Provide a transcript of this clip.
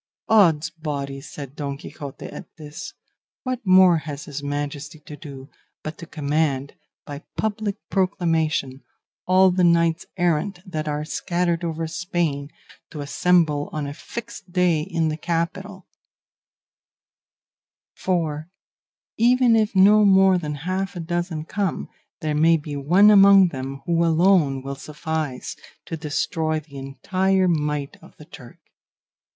"Ods body!" said Don Quixote at this, "what more has his Majesty to do but to command, by public proclamation, all the knights errant that are scattered over Spain to assemble on a fixed day in the capital, for even if no more than half a dozen come, there may be one among them who alone will suffice to destroy the entire might of the Turk.